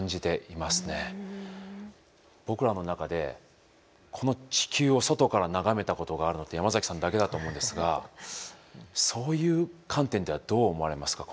僕らの中でこの地球を外から眺めたことがあるのって山崎さんだけだと思うんですがそういう観点ではどう思われますか？